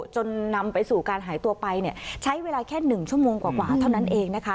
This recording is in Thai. จนนำไปสู่การหายตัวไปใช้เวลาแค่๑ชั่วโมงกว่าเท่านั้นเองนะคะ